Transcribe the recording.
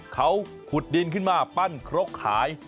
เขาขุดดินขึ้นมาปั้นครกขาย